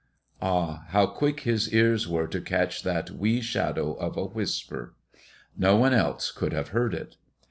Ah, how quick his ears were to catch that wee shadow of a whisper! No one else could have heard it.